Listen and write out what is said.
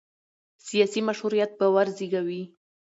سیاسي مشروعیت باور زېږوي